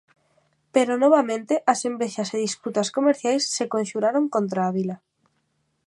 Pero novamente as envexas e disputas comerciais se conxuraron contra a vila.